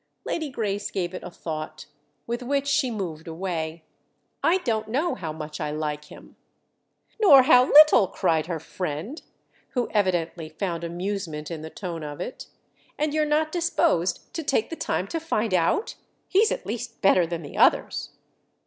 Lady Grace gave it a thought—with which she moved away. "I don't know how much I like him!" "Nor how little!" cried her friend, who evidently found amusement in the tone of it. "And you're not disposed to take the time to find out? He's at least better than the others."